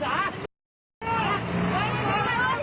เยี่ยมมากครับ